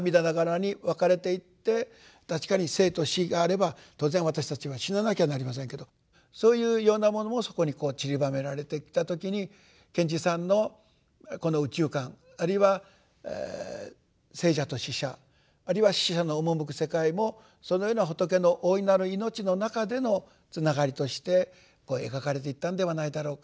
確かに生と死があれば当然私たちは死ななきゃなりませんけどそういうようなものもそこにこうちりばめられてきた時に賢治さんのこの宇宙観あるいは生者と死者あるいは死者の赴く世界もそのような仏の大いなる命の中でのつながりとして描かれていったんではないだろうか。